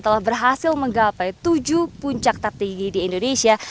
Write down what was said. telah berhasil menggapai tujuh puncak tertinggi di indonesia